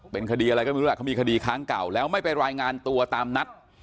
เป็นคดีอะไรก็ไม่รู้เขามีคดีค้างเก่าแล้วไม่ไปรายงานตัวตามนัด